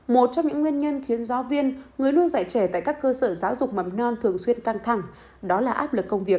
một trong những nguyên nhân khiến giáo viên người nuôi dạy trẻ tại các cơ sở giáo dục mầm non thường xuyên căng thẳng đó là áp lực công việc